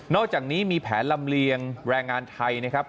อกจากนี้มีแผนลำเลียงแรงงานไทยนะครับ